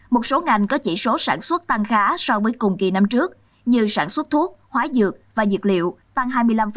một số ngành có chỉ số sản xuất tăng khá so với cùng kỳ năm trước như sản xuất thuốc hóa dược và dược liệu tăng hai mươi năm